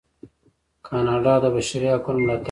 کاناډا د بشري حقونو ملاتړ کوي.